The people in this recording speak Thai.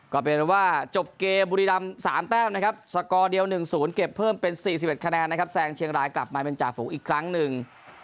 ก็เป็นว่าจบเกมบุรีรำ๓แต้มนะครับสกอร์เดียว๑๐เก็บเพิ่มเป็น๔๑คะแนนนะครับแซงเชียงรายกลับมาเป็นจ่าฝูงอีกครั้งหนึ่ง